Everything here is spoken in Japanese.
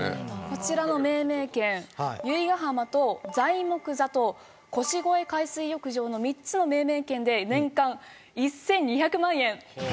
こちらの命名権由比ガ浜と材木座と腰越海水浴場の３つの命名権で年間１２００万円。